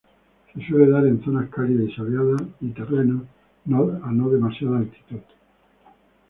Se suele dar en zonas cálidas y soleadas y terrenos a no demasiada altitud.